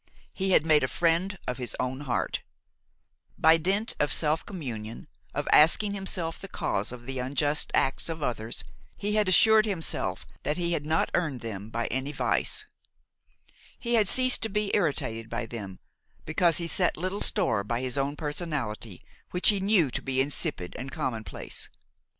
He had made a friend of his own heart; by dint of self communion, of asking himself the cause of the unjust acts of others, he had assured himself that he had not earned them by any vice; he had ceased to be irritated by them, because he set little store by his own personality, which he knew to be insipid and commonplace.